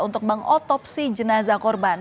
untuk mengotopsi jenazah korban